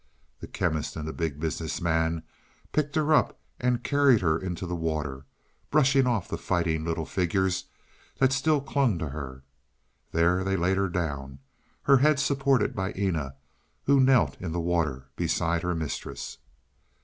The Chemist and the Big Business Man picked her up and carried her into the water, brushing off the fighting little figures that still clung to her. There they laid her down, her head supported by Eena, who knelt in the water beside her mistress.